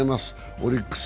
オリックス